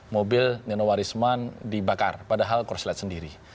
mobil nino warisman dibakar padahal kurslet sendiri